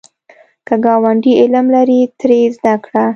که ګاونډی علم لري، ترې زده کړه